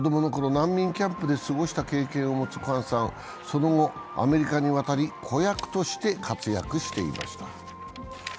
難民キャンプで過ごした経験を持つクァンさんはその後、アメリカに渡り子役として活躍していました。